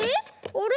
あれ？